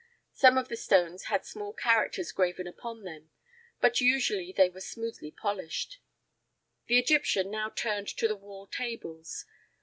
Some of the stones had small characters graven upon them, but usually they were smoothly polished. The Egyptian now turned to the wall tables.